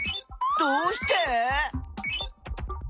どうして！？